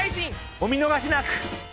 お見逃しなく！